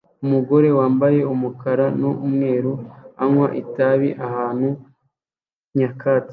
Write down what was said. Umugore wambaye umukara n'umweru anywa itabi ahantu nyakatsi